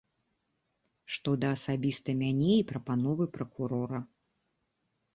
Што да асабіста мяне і прапановы пракурора.